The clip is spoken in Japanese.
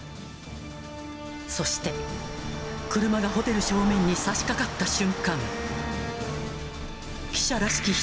そして、車がホテル正面にさしかかった瞬間。